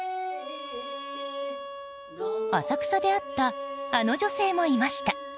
浅草で会ったあの女性もいました。